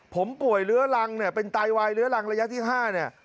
ผมป่วยเรื้อรังเนี่ยเป็นไตวายเรื้อรังระยะที่๕เนี่ย